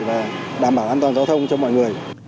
và đảm bảo an toàn giao thông cho mọi người